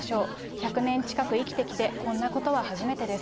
１００年近く生きてきて、こんなことは初めてです。